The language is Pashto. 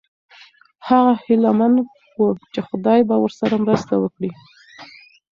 هغه هیله من و چې خدای به ورسره مرسته وکړي.